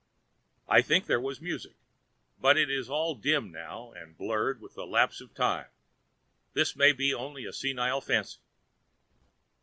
I think there was music; but it is all dim now and blurred by the lapse of time, and this may be only a senile fancy.